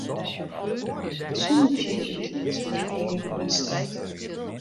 Sûnder fierdere útlis wurdt it projekt útsteld.